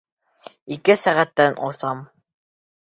Ике сәғәттән осам!